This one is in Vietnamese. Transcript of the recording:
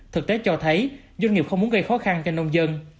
thực tế cho thấy doanh nghiệp không muốn gây khó khăn cho nông dân